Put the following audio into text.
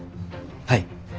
はい。